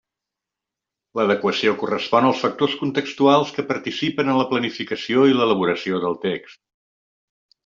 L'adequació correspon als factors contextuals que participen en la planificació i l'elaboració del text.